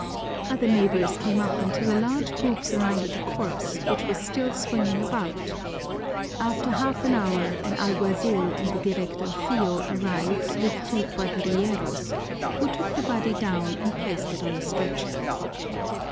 Other neighbors came up until a large group surrounded the corpse, which was still swinging about. After half an hour, an alguazil and the directorcillo arrived with two cuadrilleros, who took the body down and placed it on a stretcher.